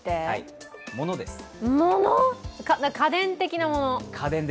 家電的なもの？